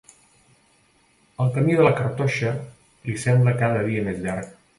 El camí de la Cartoixa li sembla cada dia més llarg.